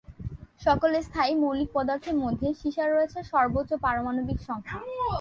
সকল স্থায়ী মৌলিক পদার্থের মধ্যে সীসার রয়েছে সর্বোচ্চ পারমাণবিক সংখ্যা।